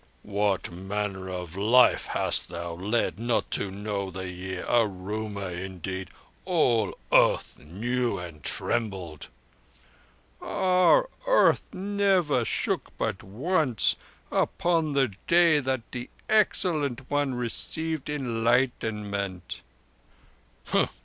"What manner of life hast thou led, not to know The Year? A rumour indeed! All earth knew, and trembled!" "Our earth never shook but once—upon the day that the Excellent One received Enlightenment."